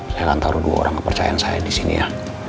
saya akan taruh dua orang kepercayaan saya disini ya